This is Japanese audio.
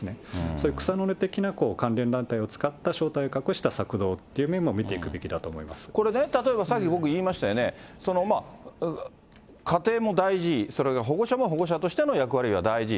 そういう草の根的な関連団体を使った正体を隠した策動という面もこれね、例えばさっき僕言いましたよね、家庭も大事、それから保護者も保護者としての役割が大事。